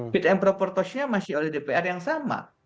pidem proportosnya masih oleh dpr yang sama